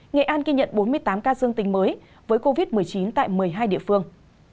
nghệ an ghi nhận bốn mươi tám ca dương tính mới với covid một mươi chín tại một mươi hai địa phương